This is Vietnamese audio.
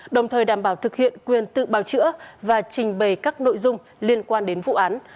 đồng thời đảm bảo thực hiện quyền tự bào chữa và trình bày các nội dung liên quan đến vụ án